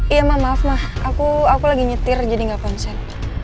iya maaf maaf mah aku lagi nyetir jadi gak konsen